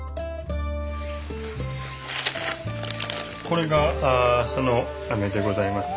これがそのあめでございます。